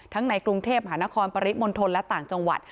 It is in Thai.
ทั้งในกรุงเทพฯหานครปริศมนตรและต่างจังหวัด